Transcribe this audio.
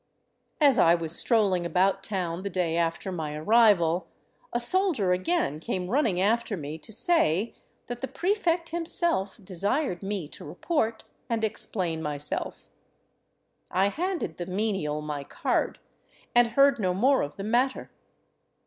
As I was strolling about town the day after my arrival, a soldier 360 OVERLAND TOWARD CUZCO again came running after me to say that the prefect himself desired me to report and explain myself. I handed the menial my card, and heard no more of the matter.